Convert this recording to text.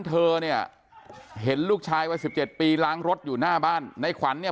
เธอเนี่ยเห็นลูกชายวัย๑๗ปีล้างรถอยู่หน้าบ้านในขวัญเนี่ย